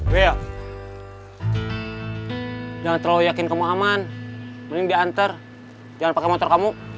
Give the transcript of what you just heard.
well jangan terlalu yakin kamu aman mending diantar jangan pakai motor kamu